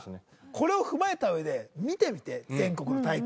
これを踏まえたうえで見てみて全国の大会。